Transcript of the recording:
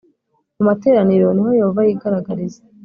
mu materaniro niho Yehova yigaragariza